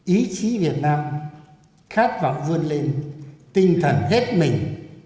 ý chí việt nam khát vọng vươn lên tinh thần hết mình